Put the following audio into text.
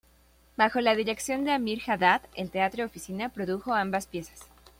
Bajo la dirección de Amir Haddad, el Teatro Oficina produjo ambas piezas.